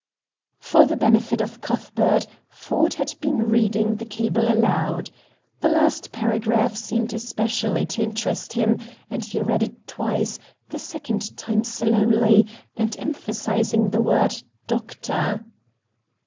For the benefit of Cuthbert, Ford had been reading the cable aloud. The last paragraph seemed especially to interest him, and he read it twice, the second time slowly, and emphasizing the word "doctor."